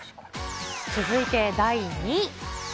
続いて第２位。